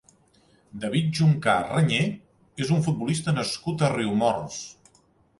David Juncà Reñé és un futbolista nascut a Riumors.